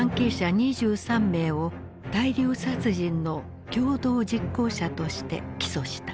２３名を「大量殺人の共同実行者」として起訴した。